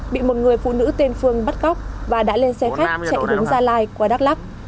bị một người phụ nữ tên phương bắt cóc và đã lên xe khách chạy hướng gia lai qua đắk lắc